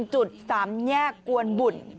จุด๓แยกกวนบุ่น